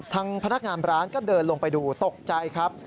พนักงานร้านก็เดินลงไปดูตกใจครับ